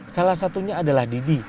salah satunya adalah didi